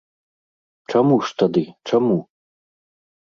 Чаму ж тады, чаму?